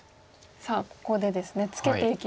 さあここでですねツケていきましたが。